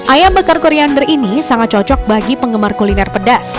ayam bakar koriander ini sangat cocok bagi penggemar kuliner pedas